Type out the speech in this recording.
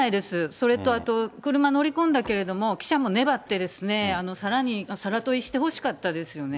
それとあと、車のりこんだけれども、記者も粘ってですね、さら問いしてほしかったですよね。